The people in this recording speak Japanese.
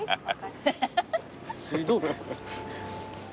水道局。